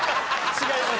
違います